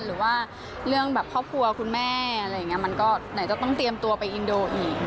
หรือว่าเรื่องแบบครอบครัวคุณแม่อะไรอย่างนี้มันก็ไหนจะต้องเตรียมตัวไปอินโดอีก